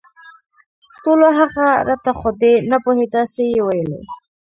ټولو هغه رټه خو دی نه پوهېده څه یې ویلي